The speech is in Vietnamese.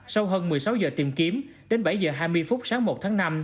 sau hơn một mươi sáu giờ tìm kiếm đến bảy giờ hai mươi phút sáng một tháng năm